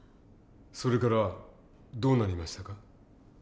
それからどうなりましたか？